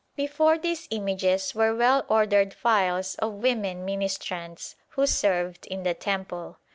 Before these images were well ordered files of women ministrants, who served in the temple.